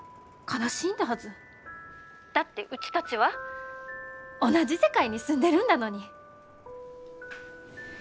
☎だってうちたちは同じ世界に住んでるんだのに。